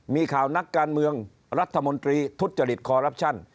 มีข่าวนักการเมืองรัฐมนตรีทุจริตคอรัปชั่น